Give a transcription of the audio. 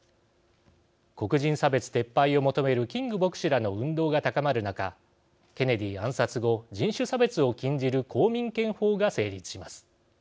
黒人差別撤廃を求めるキング牧師らの運動が高まる中ケネディ暗殺後人種差別を禁じる公民権法が成立します。